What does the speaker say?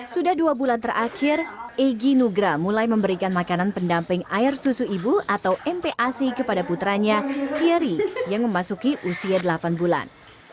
sudah dua bulan terakhir egy nugra mulai memberikan makanan pendamping air susu ibu atau mpac kepada putranya yeri yang memasuki usia delapan bulan